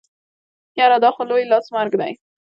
يره دا خو لوی لاس مرګ دی.